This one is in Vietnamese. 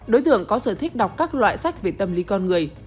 đối tượng có sở thích đọc các loại sách về tâm lý con người